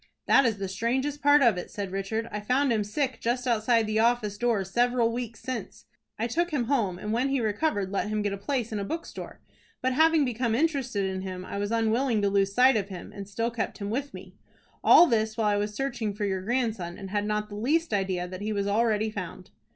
"That is the strangest part of it," said Richard. "I found him sick just outside the office door several weeks since. I took him home, and when he recovered let him get a place in a bookstore; but, having become interested in him, I was unwilling to lose sight of him, and still kept him with me. All this while I was searching for your grandson, and had not the least idea that he was already found."